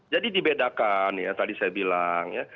jadi dibedakan tadi saya bilang